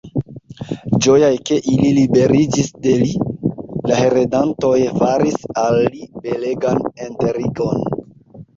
Ĝojaj, ke ili liberiĝis de li, la heredantoj faris al li belegan enterigon.